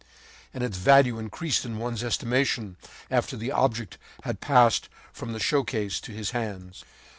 And its value increased in one's estimation, after the object had passed from the showcase into his hands.